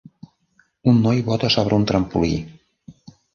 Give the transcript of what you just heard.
Un noi bota sobre un trampolí.